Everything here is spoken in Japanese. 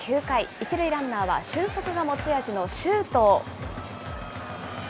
１塁ランナーは俊足が持ち味の周東。